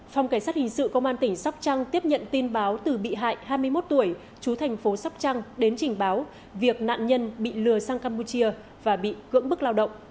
phòng cảnh sát hình sự công an tỉnh sóc trăng tiếp nhận tin báo từ bị hại hai mươi một tuổi chú thành phố sóc trăng đến trình báo việc nạn nhân bị lừa sang campuchia và bị cưỡng bức lao động